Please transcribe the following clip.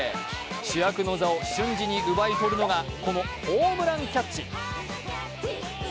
主役の座を瞬時の奪い取るのがこのホームランキャッチ。